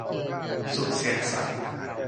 สุดเสียงสังข์